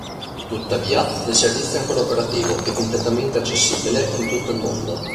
Tuttavia, il servizio è ancora operativo e completamente accessibile in tutto il mondo.